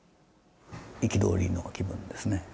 憤りの気分ですね。